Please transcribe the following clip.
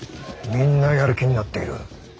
みんなやる気になっている。